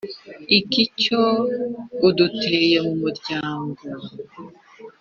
Iki cyuho uduteye mu muryangooo